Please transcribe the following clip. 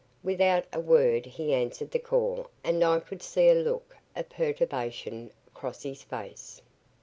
Without a word he answered the call and I could see a look of perturbation cross his face.